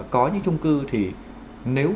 có những trung cư thì nếu